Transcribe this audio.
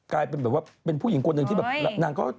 กลายเป็นแบบว่าเป็นผู้หญิงคนหนึ่งที่แบบนางก็